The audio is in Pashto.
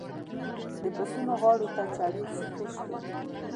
د پسونو غاړو ته چړې سيخې شوې.